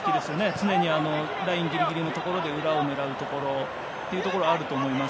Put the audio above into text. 常にラインギリギリのところで裏を狙うところがあると思います。